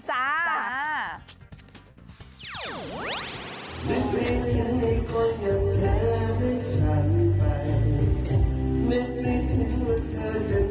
จ้า